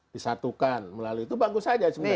disatukan melalui itu bagus saja sebenarnya